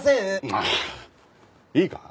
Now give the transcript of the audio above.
はあいいか？